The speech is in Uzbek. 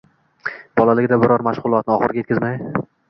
Bolaligida biror mashg‘ulotni oxiriga yetkazmay